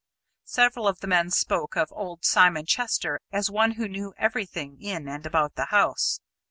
Several of the men spoke of old Simon Chester as one who knew everything in and about the house.